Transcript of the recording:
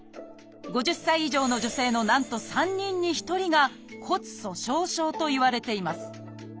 ５０歳以上の女性のなんと３人に１人が「骨粗しょう症」といわれています